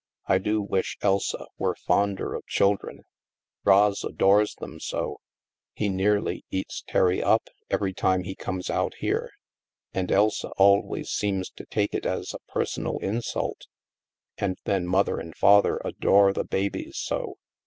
" I do wish Elsa were fonder of children. Ros adores them so ; he nearly eats Terry up every time he comes out here, and Elsa always seems to take it as a personal insult. And then Mother and Father adore the babies so.